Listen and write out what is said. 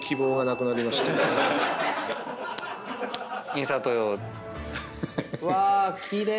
インサート用。